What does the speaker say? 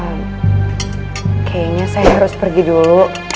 kayaknya saya harus pergi dulu